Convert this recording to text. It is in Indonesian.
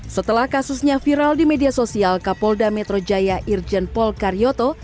setelah kasusnya viral di media sosial kapolda metro jaya irjen polkaryoto